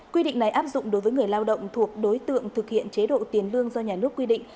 quy định này áp dụng đối với người lao động thuộc đối tượng thực hiện chế độ tiền lương do nhà nước quy định